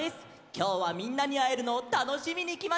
きょうはみんなにあえるのをたのしみにきました！